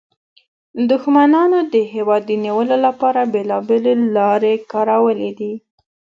دښمنانو د هېواد د نیولو لپاره بیلابیلې لارې کارولې دي